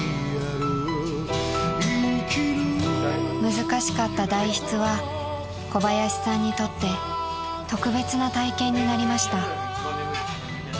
［難しかった代筆は小林さんにとって特別な体験になりました］